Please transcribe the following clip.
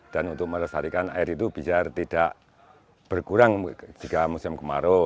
untuk melestarikan air itu biar tidak berkurang jika musim kemarau